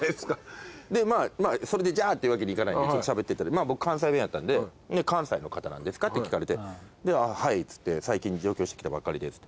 まあまあそれでじゃあっていうわけにいかないんでちょっとしゃべってたら僕関西弁やったんで関西の方なんですかって聞かれてはいっつって最近上京してきたばっかりです。